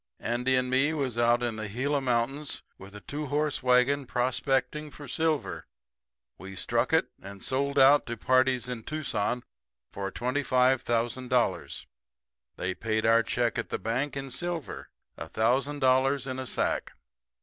Andy and me was out in the Gila mountains with a two horse wagon prospecting for silver. We struck it, and sold out to parties in Tucson for $25,000. They paid our check at the bank in silver a thousand dollars in a sack.